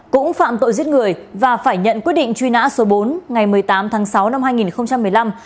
cũng phạm tội giết người và phải nhận quyết định truy nã số bốn ngày một mươi tám tháng sáu năm hai nghìn một mươi năm